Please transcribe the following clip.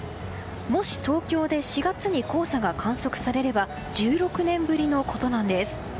もし東京で４月に黄砂が観測されれば１６年ぶりのことなんです。